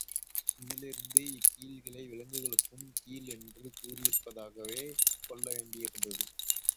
இதிலிருந்த இக் கீழ்களை விலங்குகளுக்கும் கீழ் என்று கூறியிருப்பதாகவே கொள்ளவேண்டியிருக்கிறது.